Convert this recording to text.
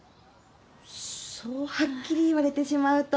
そうはっきり言われてしまうと。